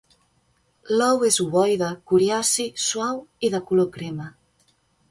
L'ou és ovoide, coriaci, suau i de color crema.